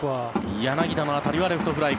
柳田の当たりはレフトフライ。